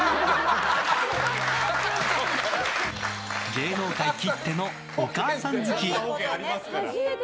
芸能界きってのお母さん好き。